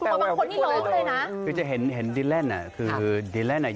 เอ่อถามว่าน้องกลัวบ้างไหม